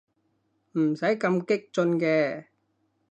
唔使咁激進嘅